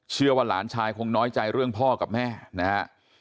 เชื่อว่าหลานชายคงน้อยใจเรื่องพ่อกับแม่นะฮะ